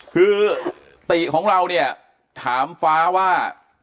คือติของเราเนี่ยถามฟ้าว่า